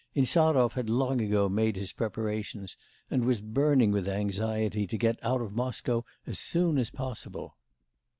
Insarov had long ago made his preparations, and was burning with anxiety to get out of Moscow as soon as possible.